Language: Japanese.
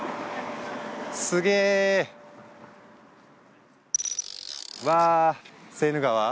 すげぇ。わセーヌ川？